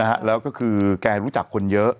นะฮะแล้วก็คือแกรู้จักคนเยอะ